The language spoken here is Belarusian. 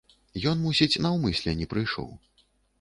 Ён, мусіць, наўмысля не прыйшоў.